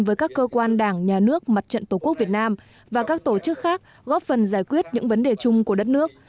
với các cơ quan đảng nhà nước mặt trận tổ quốc việt nam và các tổ chức khác góp phần giải quyết những vấn đề chung của đất nước